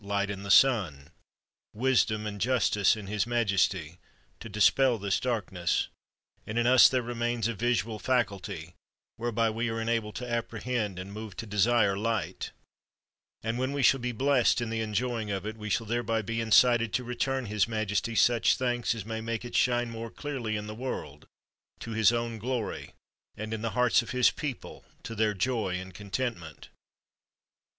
light in the sun— wisdom and justice in his majesty— to dispel this darkness; and in us there remains a visual faculty, whereby we are enabled to apprehend, and moved to desire, licht And when we shall be blessed in tne enioving of it, we shall thereby be incited to return his majesty such thanks as may make it shine more clearly in the world, to his own glory, and in the hearts of his people, to their joy and contentment.